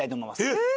えっ。